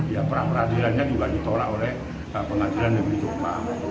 ya peradilannya juga ditorak oleh pengadilan dpr jombang